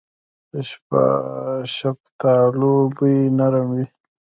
د شفتالو بوی نرم وي.